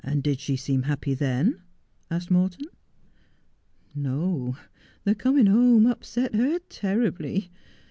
Did she seem happy then ?' asked Morton. ' No, the coming home upset her terribly.